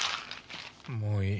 もういい。